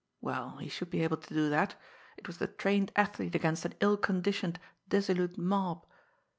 Well, he should be able to do that! It was the trained athlete against an ill conditioned, dissolute mob!